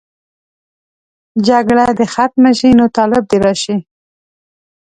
جګړه دې ختمه شي، نو طالب دې راشي.